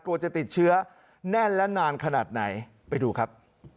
จะติดเชื้อแน่นและนานขนาดไหนไปดูครับ